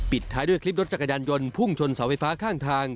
ท้ายด้วยคลิปรถจักรยานยนต์พุ่งชนเสาไฟฟ้าข้างทาง